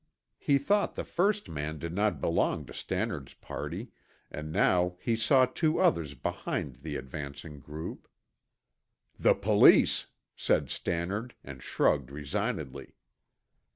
He thought the first man did not belong to Stannard's party, and now he saw two others behind the advancing group. "The police!" said Stannard, and shrugged resignedly.